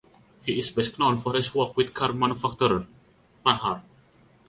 He is best known for his work with car manufacturer Panhard.